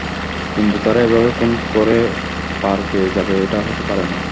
কিন্তু তারা এভাবে খুন করে পার পেয়ে যাবে, এটা হতে পারে না।